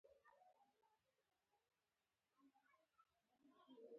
همدغه یو پل هم کمزوری و چې کار نه ورکاوه.